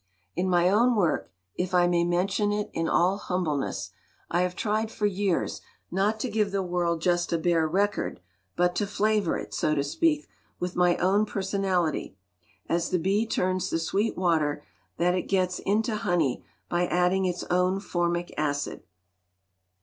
"In my own work if I may mention it in all humbleness I have tried for years not to give the world just a bare record, but to flavor it, so to speak, with my own personality, as the bee turns the sweet water that it gets into honey by adding its own formic acid.